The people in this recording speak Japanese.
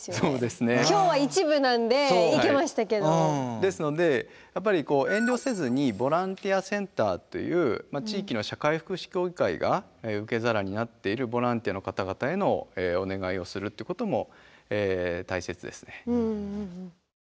ですのでやっぱりこう遠慮せずにボランティアセンターという地域の社会福祉協議会が受け皿になっているボランティアの方々へのお願いをするってことも大切ですね。